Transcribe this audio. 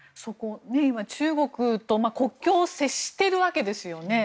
中国と国境を接しているわけですよね。